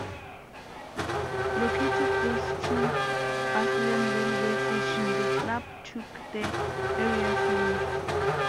Located close to Burslem railway station, the club took the area's name.